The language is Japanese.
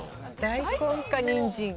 大根かにんじん。